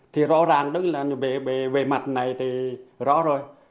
thì rõ ràng về mặt này thì rõ rồi